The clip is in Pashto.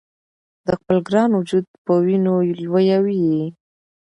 د خپل ګران وجود په وینو لویوي یې